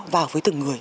với từng người